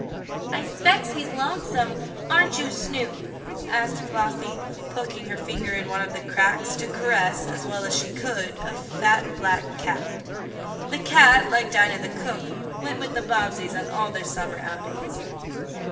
"I 'specs he's lonesome; aren't you, Snoop?" asked Flossie, poking her finger in one of the cracks, to caress, as well as she could, a fat, black cat. The cat, like Dinah the cook, went with the Bobbseys on all their summer outings.